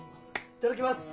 いただきます。